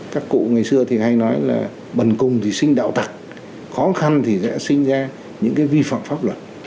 các cụ ngày xưa thì hay nói là bần cùng thì sinh đạo tật khó khăn thì sẽ sinh ra những cái vi phạm pháp luật